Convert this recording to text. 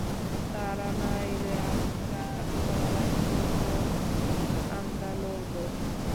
তারা না এলে আমরা লড়াই করব আমরা লড়ব!